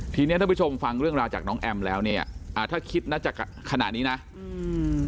เนี้ยท่านผู้ชมฟังเรื่องราวจากน้องแอมแล้วเนี้ยอ่าถ้าคิดน่าจะขนาดนี้นะอืม